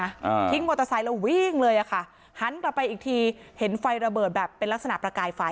อ่าทิ้งมอเตอร์ไซค์แล้ววิ่งเลยอ่ะค่ะหันกลับไปอีกทีเห็นไฟระเบิดแบบเป็นลักษณะประกายไฟ